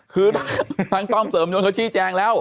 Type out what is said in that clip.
คือทางต้อมเสริมยนเขาชี้แจงแล้ว